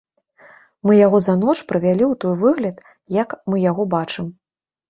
Мы яго за ноч прывялі ў той выгляд, як мы яго бачым.